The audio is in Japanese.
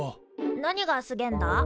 何がすげえんだ？